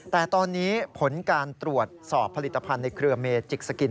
แต่ตอนนี้ผลการตรวจสอบผลิตภัณฑ์ในเครือเมจิกสกิน